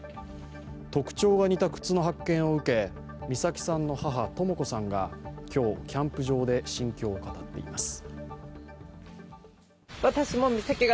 特徴が似た靴の発見を受け美咲さんの母、とも子さんが今日、キャンプ場で心境を語っています。